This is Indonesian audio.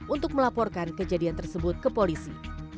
untuk melaporkan kejadian tersebut ke polisi